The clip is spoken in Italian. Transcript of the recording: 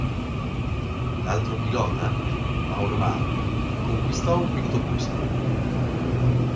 L'altro pilota, Mauro Baldi, conquistò un quinto posto.